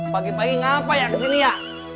pagi pagi ngapa ya kesini ya